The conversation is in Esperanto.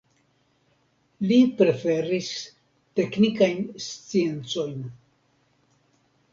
Li preferis teknikajn sciencojn.